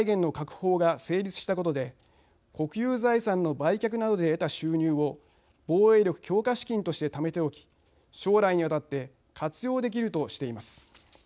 法が成立したことで国有財産の売却などで得た収入を防衛力強化資金としてためておき将来にわたって活用できるとしています。